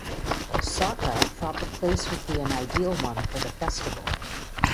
Sokka thought the place would be an ideal one for the festival.